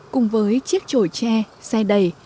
cùng với chiếc trồi tre xe đầy